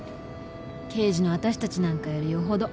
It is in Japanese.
刑事の私たちなんかよりよほど。